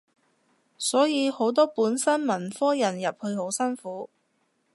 所以好多本身文科人入去好辛苦